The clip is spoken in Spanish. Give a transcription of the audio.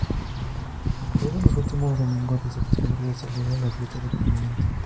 Todos los últimos domingos de septiembre se celebra la fiesta del Pimiento.